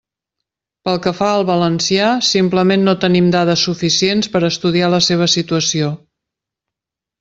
Pel que fa al valencià, simplement no tenim dades suficients per a estudiar la seua situació.